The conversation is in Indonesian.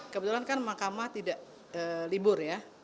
kebetulan kan mahkamah tidak libur ya